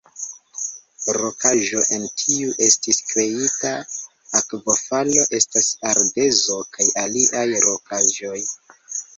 Rokaĵo en kiu estis kreita akvofalo estas ardezo kaj aliaj rokaĵoj.